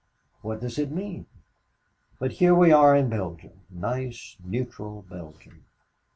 What does it mean? "But here we are in Belgium nice, neutral Belgium!